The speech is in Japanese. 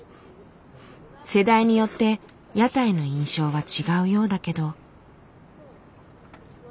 世代によって屋台の印象は違うようだけど。